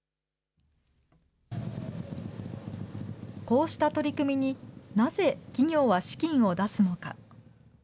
こうした取り組みに、なぜ企業は資金を出すのか。